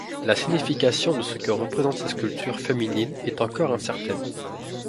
La signification de ce que représentent ces sculptures féminines est encore incertaine.